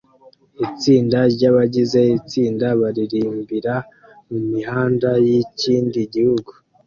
Itsinda ryabagize itsinda baririmbira mumihanda yikindi gihugu